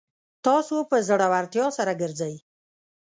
تاسو په زړورتیا سره ګرځئ